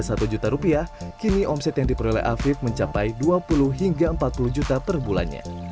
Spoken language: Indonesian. dengan harga jualan tanaman mulai satu juta rupiah kini omset yang diperoleh afiq mencapai dua puluh hingga empat puluh juta per bulannya